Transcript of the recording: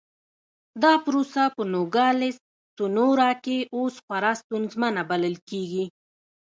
دا پروسه په نوګالس سونورا کې اوس خورا ستونزمنه بلل کېږي.